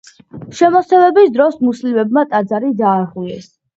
შემოსევების დროს მუსლიმებმა ტაძარი დაარღვიეს.